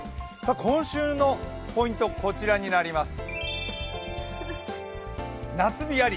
今週のポイント、こちらになります夏日あり！